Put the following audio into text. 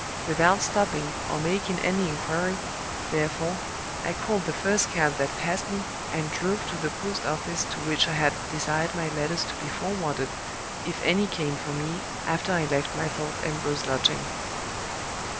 Without stopping, or making any inquiry, therefore, I called the first cab that passed me, and drove to the post office to which I had desired my letters to be forwarded if any came for me after I left my Thorpe Ambrose lodging.